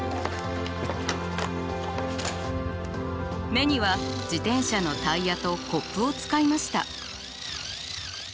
目には自転車のタイヤとコップを使いました。